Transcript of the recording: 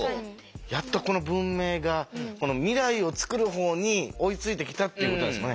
やっとこの文明が未来を作る方に追いついてきたっていうことなんですかね。